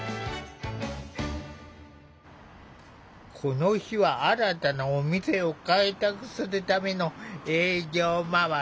この日は新たなお店を開拓するための営業回り。